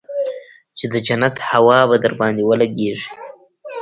چې د جنت هوا به درباندې ولګېږي.